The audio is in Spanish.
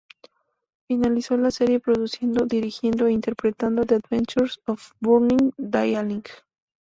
Finalizó la serie produciendo, dirigiendo e interpretando "The Adventures of Burning Daylight".